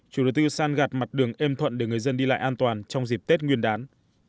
chủ đầu tư san gạt mặt đường êm thuận để người dân đi lại an toàn trong dịp tết nguyên đán